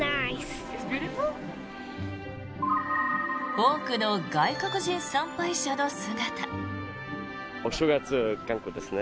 多くの外国人参拝者の姿。